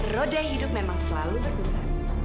roda hidup memang selalu berputar